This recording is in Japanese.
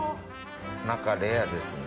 中レアですね。